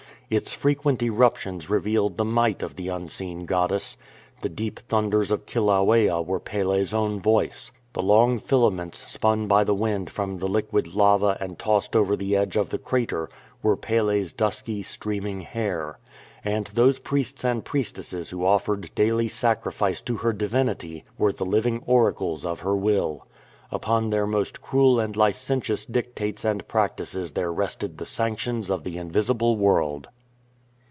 Its frequent eruptions revealed tlie might of the unseen goddess. The deep thunders of Kilauea were Pele's own voice. The long filaments spun by the wind from the liquid lava and tossed over the edge of the crater were Pele's dusky, streaming hair. And those priests and priestesses who offered daily sacrifice to 341 THE MARCH TO THE VOI CANO her divinity were the living oracles of her will. Upon their most cruel and licentious dictates and practices there rested the sanctions of the invisible world.